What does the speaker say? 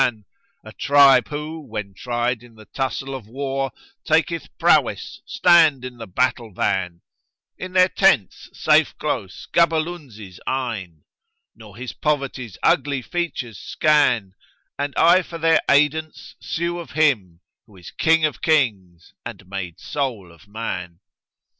[FN#97] A tribe who, when tried in the tussle of war, * Taketh prowess stand in the battle van: In their tents safe close gaberlunzie's eyne, * Nor his poverty's ugly features scan: And I for their aidance sue of Him * Who is King of Kings and made soul of man."